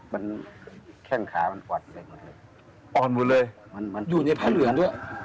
มันแข้งขามันควรเจ็ด